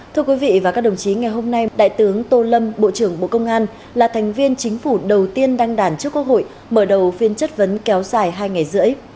thưa quý vị và các đồng chí ngày hôm nay đại tướng tô lâm bộ trưởng bộ công an là thành viên chính phủ đầu tiên đăng đàn trước quốc hội mở đầu phiên chất vấn kéo dài hai ngày rưỡi